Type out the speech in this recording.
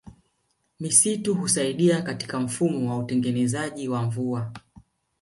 Misitu Husaidia katika mfumo wa utengenezaji wa mvua